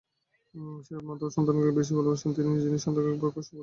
সেইরূপ মাতাও সন্তানগণকে বেশী ভালবাসিবেন, যিনি সন্তানগণকে ব্রহ্মস্বরূপ দেখেন।